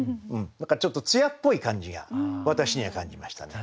ちょっと艶っぽい感じが私には感じましたね。